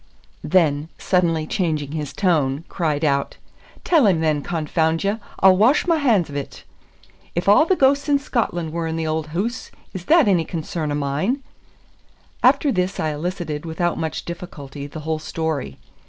then, suddenly changing his tone, cried out, "Tell him then, confound ye! I'll wash my hands o't. If a' the ghosts in Scotland were in the auld hoose, is that ony concern o' mine?" After this I elicited without much difficulty the whole story.